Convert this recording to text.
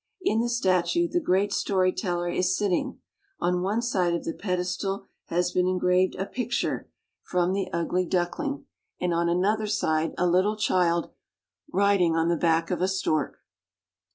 In the statue the great story teller is sitting ; on one side of the pedestal has been engraved a picture from " The 1 62 SCANDINAVIA. nlWl^^i f f Ugly Duckling," and on another side a little child riding on the back of a stork.